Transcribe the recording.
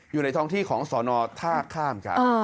อยู่ในท้องที่ของสนท่าข้าม